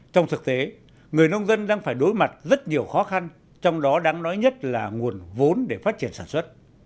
trong thực tế người nông dân đang phải đối mặt rất nhiều khó khăn trong đó đáng nói nhất là nguồn vốn để phát triển sản xuất